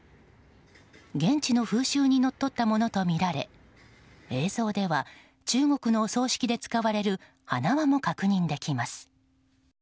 現地の風習にのっとったものとみられ映像では中国のお葬式で使われる花輪も確認できます。